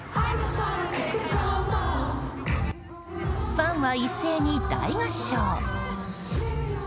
ファンは一斉に大合唱。